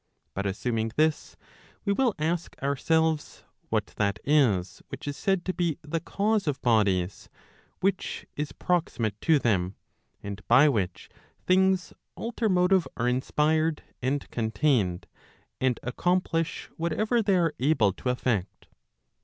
But assuming this, we will ask ourselves what that is which is said to be the cause of bodies, which is proximate to them, and by which things alter motive are inspired 1 and contained, and accomplish whatever they are able to effect.